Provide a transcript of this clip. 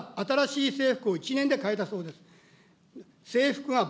警察は新しい制服を１年でかえたそうです。